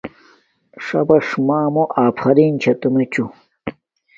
ݽَبَݽ مݳمݸ آفرݵن ہݸ تُمݵچُݸ.